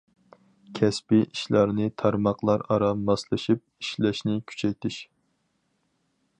كەسپىي ئىشلارنى تارماقلار ئارا ماسلىشىپ ئىشلەشنى كۈچەيتىش.